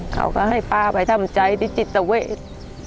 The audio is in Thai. เขาก็ให้ป้าไปทำใจที่จิตเวท